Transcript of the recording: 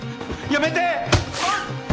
やめて！